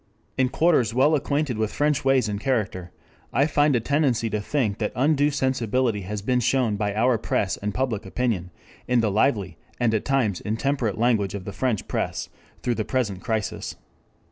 "In quarters well acquainted with French ways and character I find a tendency to think that undue sensibility has been shown by our press and public opinion in the lively and at times intemperate language of the French press through the present crisis.